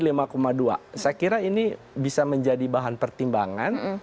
saya kira ini bisa menjadi bahan pertimbangan